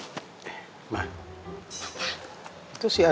gimana menurut mama nih mbak